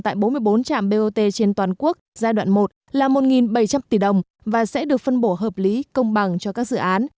tại bốn mươi bốn trạm bot trên toàn quốc giai đoạn một là một bảy trăm linh tỷ đồng và sẽ được phân bổ hợp lý công bằng cho các dự án